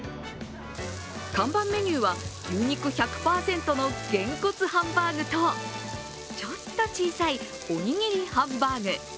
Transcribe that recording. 看板メニューは牛肉１００％のげんこつハンバーグとちょっと小さい、おにぎりハンバーグ。